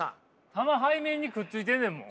球背面にくっついてんねんもん。